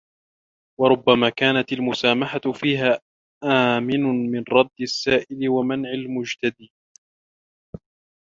وَرُبَّمَا كَانَتْ الْمُسَامَحَةُ فِيهَا آمَنُ مِنْ رَدِّ السَّائِلِ وَمَنْعِ الْمُجْتَدِي